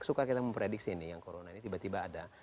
suka kita memprediksi ini yang corona ini tiba tiba ada